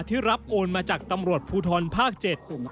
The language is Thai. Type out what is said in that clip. ที่รับโอนมาจากตำรวจภูทรภาค๗